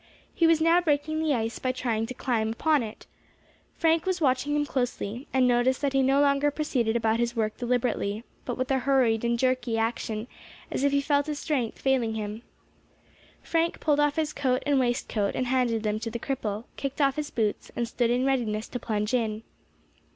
He was now breaking the ice by trying to climb upon it. Frank was watching him closely, and noticed that he no longer proceeded about his work deliberately, but with a hurried and jerky action, as if he felt his strength failing him. Frank pulled off his coat and waistcoat, and handed them to the cripple, kicked off his boots, and stood in readiness to plunge in.